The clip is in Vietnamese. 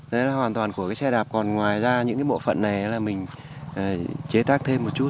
đấy là hoàn toàn của cái xe đạp còn ngoài ra những cái bộ phận này là mình chế tác thêm một chút